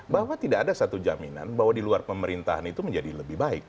bahwa tidak ada satu jaminan bahwa di luar pemerintahan itu menjadi lebih baik